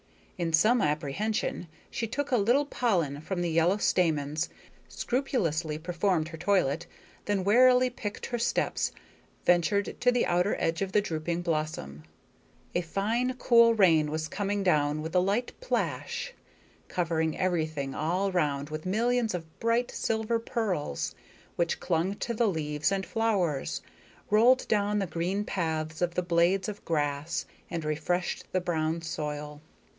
In some apprehension, she took a little pollen from the yellow stamens, scrupulously performed her toilet, then, warily, picking her steps, ventured to the outer edge of the drooping blossom. It was raining! A fine cool rain was coming down with a light plash, covering everything all round with millions of bright silver pearls, which clung to the leaves and flowers, rolled down the green paths of the blades of grass, and refreshed the brown soil.